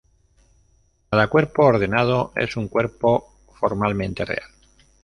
Cada cuerpo ordenado es un cuerpo formalmente real.